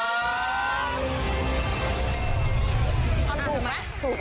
ไม่ถูก